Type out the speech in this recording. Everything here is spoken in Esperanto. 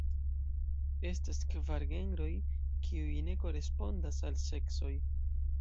Estas kvar genroj, kiuj ne korespondas al seksoj.